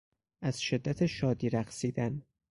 از شدت شادی رقصیدن